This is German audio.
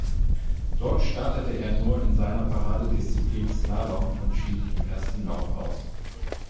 Dort startete er nur in seiner Paradedisziplin Slalom und schied im ersten Lauf aus.